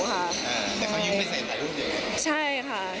ว่าเขายื้มไปใส่หลูกเลย